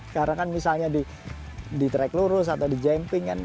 karena kan misalnya di track lurus atau di jemping kan